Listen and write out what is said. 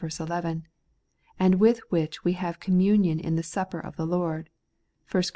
xii 11), and with which we have com munion in the Supper of the Lord (1 Cor.